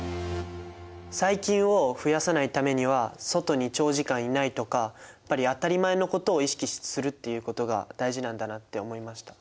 細菌を増やさないためには外に長時間いないとかやっぱり当たり前のことを意識するっていうことが大事なんだなって思いました。